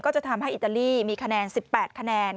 จะทำให้อิตาลีมีคะแนน๑๘คะแนน